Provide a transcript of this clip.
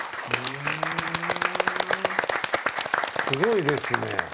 すごいですね。